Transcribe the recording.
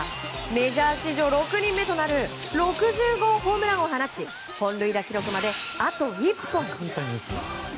メジャー史上６人目となる６０号ホームランを放ち本塁打記録まであと１本。